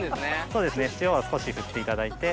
そうですね塩は少し振っていただいて。